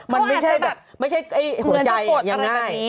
มันไม่ใช่แบบหัวใจอย่างง่าย